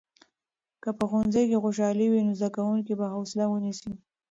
که په ښوونځي کې خوشالي وي، نو زده کوونکي به حوصلې ونیسي.